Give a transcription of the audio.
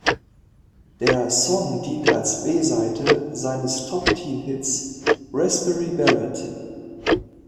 Der Song dient als B-Seite seines Top-Ten-Hits "Raspberry Beret".